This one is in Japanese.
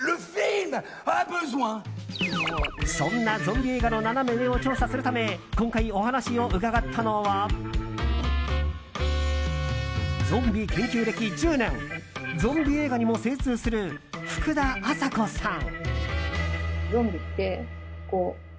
そんなゾンビ映画のナナメ上を調査するため今回、お話を伺ったのはゾンビ研究歴１０年ゾンビ映画にも精通する福田安佐子さん。